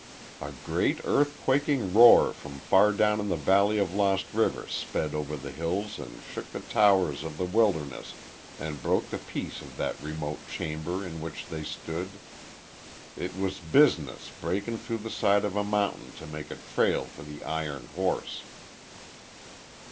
A great, earth quaking roar from far down the valley of Lost River sped over the hills, and shook the towers of the wilderness and broke the peace of that remote chamber in which they stood. It was Business breaking through the side of a mountain to make a trail for the iron horse.